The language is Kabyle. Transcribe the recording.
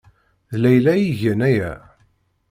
D Layla ay igan aya?